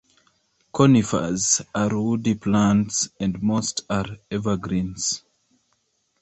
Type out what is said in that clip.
Conifers are woody plants and most are evergreens.